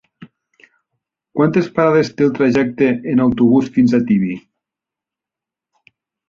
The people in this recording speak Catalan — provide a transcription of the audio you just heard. Quantes parades té el trajecte en autobús fins a Tibi?